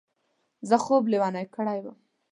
زه خوب لېونی کړی وم.